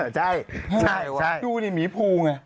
ใช่ใช่ว่ะดูนี่หมีภูไง